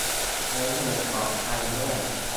ใช้เน็ตปลอดภัย ด้วย